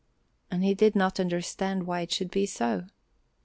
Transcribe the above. And he did not understand why it should be so.